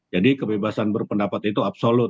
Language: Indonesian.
jadi kebebasan berpendapat itu absolut